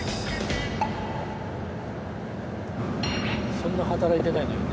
そんな働いてないのにね。